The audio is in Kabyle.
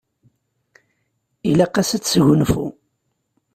Ilaq-as ad tesgunfu.